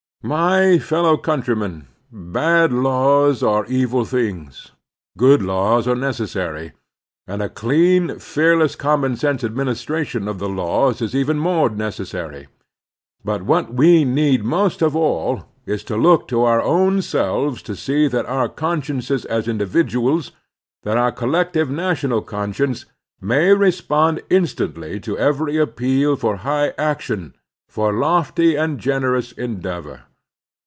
My fellow countrymen, bad laws are evil things, good laws are necessary; and a clean, fearless, common sense administration of the laws is even more necessary; but what we need most of all is to look to our own selves to see that our con sciences as individuals, that our collective national conscience, may respond instantly to every appeal for high action, for lofty and generous endeavor.